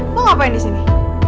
mau ngapain di sini